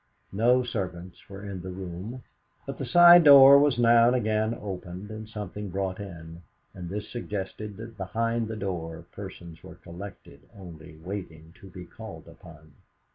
No servants were in the room, but the side door was now and again opened, and something brought in, and this suggested that behind the door persons were collected, only waiting to be called upon.